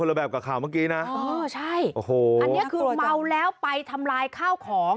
ใช่อันนี้ก็คือเมาแล้วไปทำลายข้าวของ